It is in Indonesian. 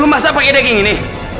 lo masak pake daging ini